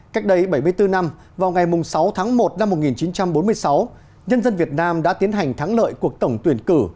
cách đây bảy mươi bốn năm vào ngày sáu tháng một năm một nghìn chín trăm bốn mươi sáu nhân dân việt nam đã tiến hành thắng lợi cuộc tổng tuyển cử